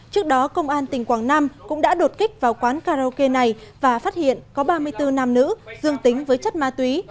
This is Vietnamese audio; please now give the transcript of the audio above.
trước đó công an tỉnh quảng nam cũng đã đột kích vào quán karaoke này và phát hiện có ba mươi bốn nam nữ dương tính với chất ma túy